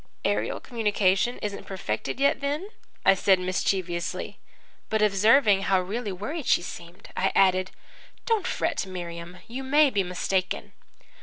"'Aerial communication isn't perfected yet then?' I said mischievously. But, observing how really worried she seemed, I added, 'Don't fret, Miriam. You may be mistaken.'